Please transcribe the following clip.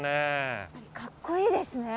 やっぱりカッコいいですね。